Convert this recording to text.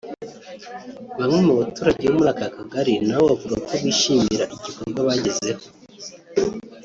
Bamwe mu baturage bo muri aka Kagari na bo bavuga ko bishimira igikorwa bagezeho